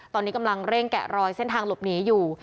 ตอนนี้กำลังเร่งแกะรอยเส้นทางหลบหนีอยู่